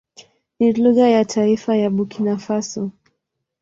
Ni lugha ya taifa ya Burkina Faso.